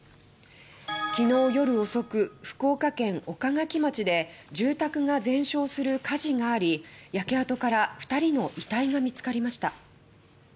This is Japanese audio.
きのう夜遅く福岡県岡垣町で住宅が全焼する火事があり焼け跡から２人の遺体が見つかりました。